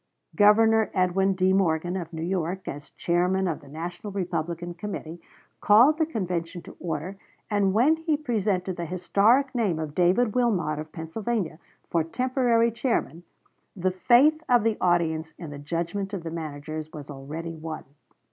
Governor Edwin D. Morgan, of New York, as Chairman of the National Republican Committee, called the convention to order; and when he presented the historic name of David Wilmot, of Pennsylvania, for temporary chairman, the faith of the audience in the judgment of the managers was already won.